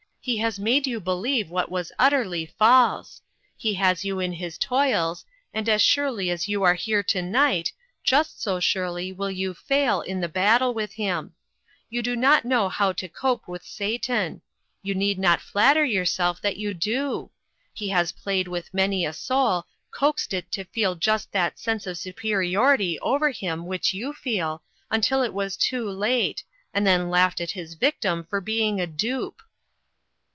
He has made you believe what was utterly false. He has you in his toils, and as surely as you are here to night, just so surely will you fail in the battle with him. You do not know how to cope with Satan ; you need not flatter yourself that you do. He has played with many a soul, coaxed it to feel just that sense of superiority over him which you feel, until it was too late, and then laughed at his victim for being a dupe."